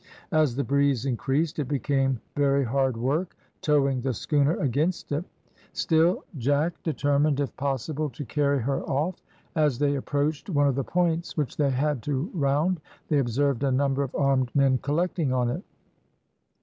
As the breeze increased it became very hard work, towing the schooner against it; still Jack determined, if possible, to carry her off. As they approached one of the points which they had to round, they observed a number of armed men collecting on it.